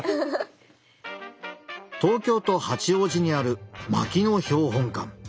東京都八王子にある牧野標本館。